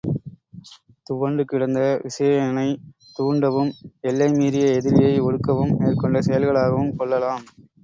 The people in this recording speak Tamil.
துவண்டு கிடந்த விசயனைத் தூண்டவும் எல்லை மீறிய எதிரியை ஒடுக்கவும் மேற்கொண்ட செயல்களாகவும் கொள்ளலாம்.